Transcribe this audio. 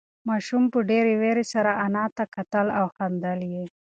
ماشوم په ډېرې وېرې سره انا ته کتل او خندل یې.